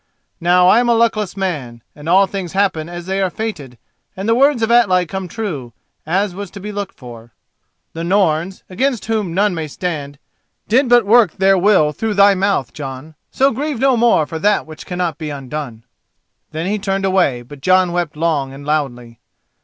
Now I am a luckless man, and all things happen as they are fated, and the words of Atli come true, as was to be looked for. The Norns, against whom none may stand, did but work their will through thy mouth, Jon; so grieve no more for that which cannot be undone." Then he turned away, but Jon wept long and loudly.